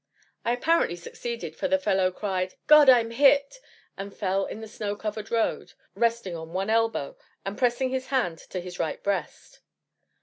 I apparently succeeded, for the fellow cried, "God! I'm hit!" and fell in the snow covered road, resting on one elbow, and pressing his hand to his right breast.